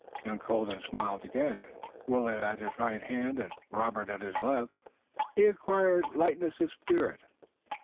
Young Colden smiled again. With Willet at his right hand and Robert at his left, he acquired lightness of spirit.